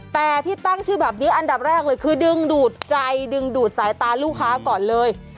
แต่ที่ตั้งชื่อแบบนี้อันดับแรกเลยคือดึงดูดใจดึงดูดสายตาลูกค้าก่อนเลย